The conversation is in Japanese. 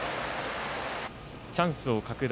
チャンスを拡大。